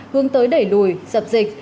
hướng tới đẩy lùi dập dịch